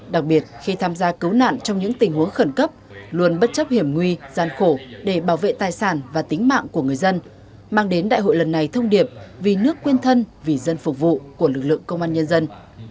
đặc biệt khi tham gia cứu nạn trong những tình huống khẩn cấp luôn bất chấp hiểm nguy gian khổ để bảo vệ tài sản và tính mạng của người dân mang đến đại hội lần này thông điệp vì nước quên thân vì dân phục vụ của lực lượng công an nhân dân